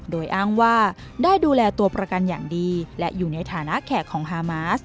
โดยอ้างว่าได้ดูแลตัวประกันอย่างดีและอยู่ในฐานะแขกของฮามาส